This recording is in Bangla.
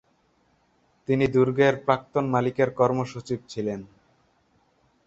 তিনি দূর্গের প্রাক্তন মালিকের কর্মসচিব ছিলেন ।